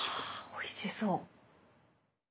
おいしそう。